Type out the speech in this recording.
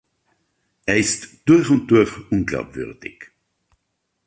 Er ist durch und durch unglaubwürdig.